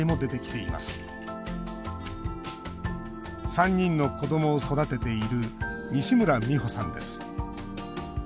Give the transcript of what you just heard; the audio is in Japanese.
３人の子どもを育てている西村みほさんです。